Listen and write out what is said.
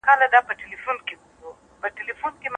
ملا بانګ د یو عجیبه سکون په غېږ کې و.